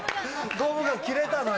ゴムが切れたのよ。